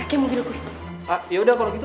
nih kamu tuh jarang jarang lengos gitu